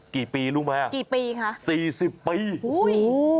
กี่ปีรู้ไหมครับสี่สิบปีโอ้โฮ